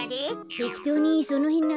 てきとうにそのへんながしてよ。